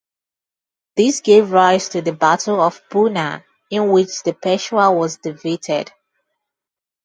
This gave rise to the Battle of Poona in which the Peshwa was defeated.